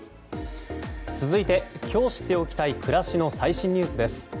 続いて今日知っておきたい暮らしの最新ニュースです。